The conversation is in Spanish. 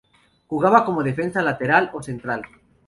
Jugaba como defensa lateral o central.